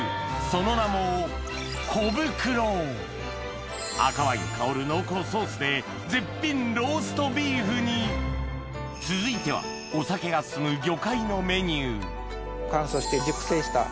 その名も赤ワイン香る濃厚ソースで絶品ローストビーフに続いてはお酒が進む魚介のメニュー乾燥して熟成した。